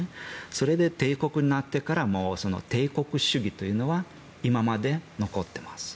それで帝国になってから帝国主義というのは今まで残っています。